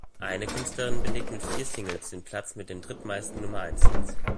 Eine Künstlerin belegt mit vier Singles den Platz mit den drittmeisten Nummer-eins-Hits.